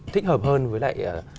thích hợp hơn với lại